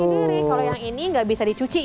kalau yang ini enggak bisa dicuci ya